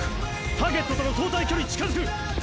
ターゲットとの相対距離近づく。